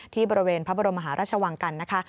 ที่บริเวณพระบรมหาราชวังกันนะคะ